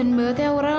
kasian banget ya ural